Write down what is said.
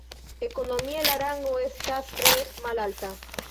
Ekonomie la rango estas tre malalta.